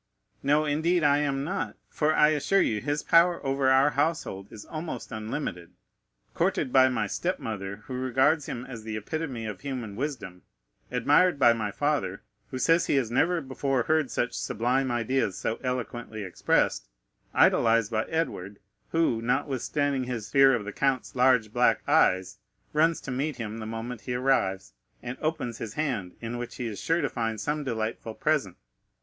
"No, indeed, I am not; for I assure you, his power over our household is almost unlimited. Courted by my step mother, who regards him as the epitome of human wisdom; admired by my father, who says he has never before heard such sublime ideas so eloquently expressed; idolized by Edward, who, notwithstanding his fear of the count's large black eyes, runs to meet him the moment he arrives, and opens his hand, in which he is sure to find some delightful present,—M.